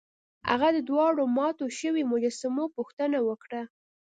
هغه د دواړو ماتو شویو مجسمو پوښتنه وکړه.